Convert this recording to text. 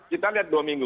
kita lihat dua minggu